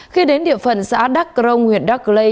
khi đến địa phần xã đắc crông huyện đắc lây